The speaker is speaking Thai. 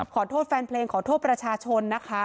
แฟนเพลงขอโทษประชาชนนะคะ